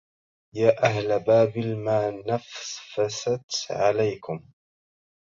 يا أهل بابل ما نفست عليكم